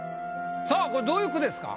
さぁこれどういう句ですか？